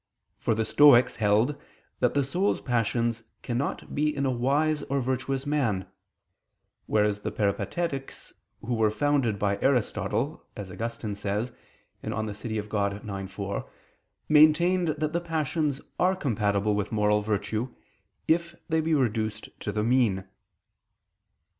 For the Stoics held that the soul's passions cannot be in a wise or virtuous man: whereas the Peripatetics, who were founded by Aristotle, as Augustine says (De Civ. Dei ix, 4), maintained that the passions are compatible with moral virtue, if they be reduced to the mean.